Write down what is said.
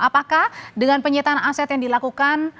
apakah dengan penyitaan aset yang dilakukan